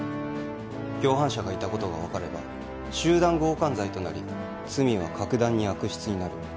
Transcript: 共犯者がいたことが分かれば集団強姦罪となり罪は格段に悪質になる